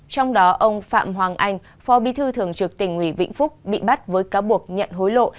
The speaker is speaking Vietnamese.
trong đó ông phạm hoàng anh phò bi thư thường trực tỉnh nguyễn vĩnh phúc bị bắt với cáo buộc nhận hối lộ